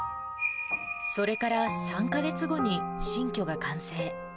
それから３か月後に新居が完成。